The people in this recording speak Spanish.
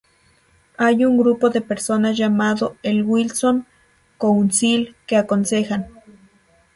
Hay un grupo de personas llamado el Wilson Council que aconsejan.